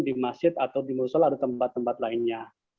di masjid atau di musolah atau tempat tempat lainnya